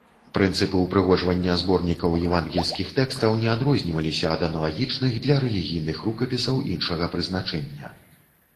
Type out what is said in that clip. Прынцыпы ўпрыгожвання зборнікаў евангельскіх тэкстаў не адрозніваліся ад аналагічных для рэлігійных рукапісаў іншага прызначэння.